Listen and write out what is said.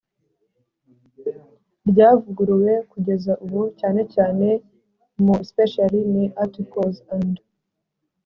ryavuguruwe kugeza ubu cyane cyane mu especially in Articles and